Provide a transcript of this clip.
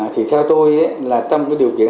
thì theo tôi là trong cái điều kiện